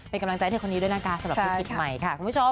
เป็นกำลังใจให้เธอคนนี้ด้วยนะคะสำหรับธุรกิจใหม่ค่ะคุณผู้ชม